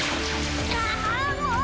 ああもう！